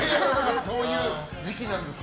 そういう時期なんですよ。